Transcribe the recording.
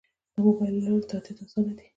د موبایل له لارې تادیات اسانه دي؟